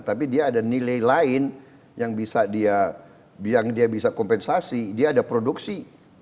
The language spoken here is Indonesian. tapi dia ada nilai lain yang bisa dia bisa kompensasi dia ada produksi